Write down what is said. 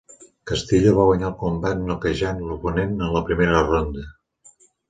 Castillo va guanyar el combat noquejant l'oponent en la primera ronda.